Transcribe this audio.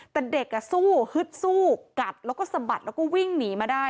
แต่เด็กสู้ฮึดสู้กัดแล้วก็สะบัดแล้วก็วิ่งหนีมาได้